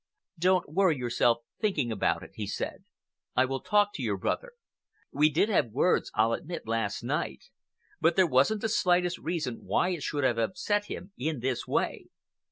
"Don't worry yourself thinking about it," he said. "I will talk to your brother. We did have words, I'll admit, last night, but there wasn't the slightest reason why it should have upset him in this way.